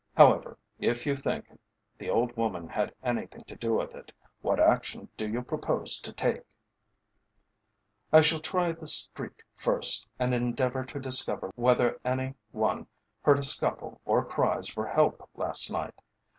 However, if you think the old woman had anything to do with it, what action do you propose to take?" "I shall try the street first, and endeavour to discover whether any one heard a scuffle or cries for help last night.